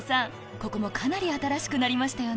ここもかなり新しくなりましたよね